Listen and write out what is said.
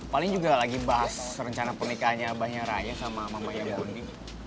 paling juga lagi bahas rencana pernikahannya abahnya raya sama mamanya bundi